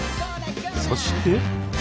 そして。